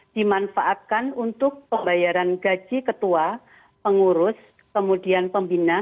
dimanfaatkan untuk pembayaran gaji ketua pengurus kemudian pembina